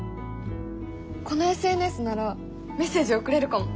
このＳＮＳならメッセージ送れるかも！